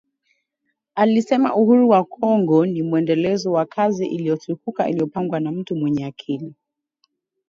Alisema Uhuru wa Kongo ni mwendelezo wa kazi iliyotukuka iliyopangwa na mtu mwenye akili